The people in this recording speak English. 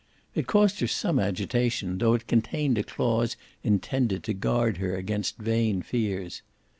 It caused her some agitation, though it contained a clause intended to guard her against vain fears.